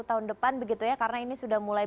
tahun depan karena ini sudah mulai